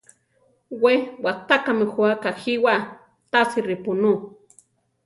We watákami jú akajíwa, tasi ripunú.